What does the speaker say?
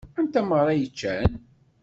Anta meṛṛa i yeččan?